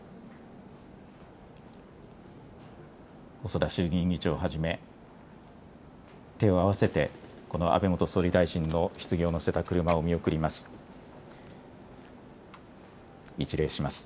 細田衆議院議長をはじめ手を合わせて安倍元総理大臣のひつぎを乗せた車を見送ります。